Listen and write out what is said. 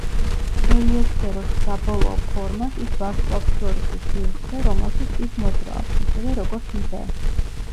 ჰელიოსფეროს საბოლოო ფორმას ის ვარსკვლავთშორისი სივრცე, რომელშიც ის მოძრაობს, ისევე, როგორც მზე.